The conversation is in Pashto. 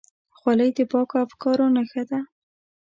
خولۍ د پاکو افکارو نښه ده.